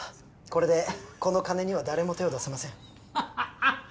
これでこの金には誰も手を出せません